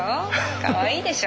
かわいいでしょ。